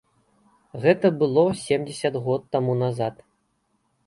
Гэта было семдзесят год таму назад.